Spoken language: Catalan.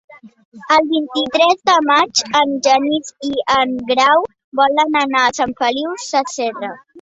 El vint-i-tres de maig en Genís i en Grau volen anar a Sant Feliu Sasserra.